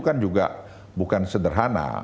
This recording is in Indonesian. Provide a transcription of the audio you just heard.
kan juga bukan sederhana